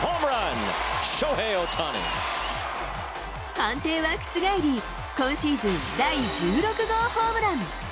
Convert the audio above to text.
判定は覆り、今シーズン第１６号ホームラン。